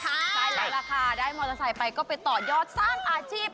ใช่แล้วล่ะค่ะได้มอเตอร์ไซค์ไปก็ไปต่อยอดสร้างอาชีพ